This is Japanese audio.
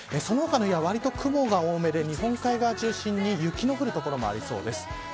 その他の日は雲が多めで日本海側を中心に雪の降る所もありそうです。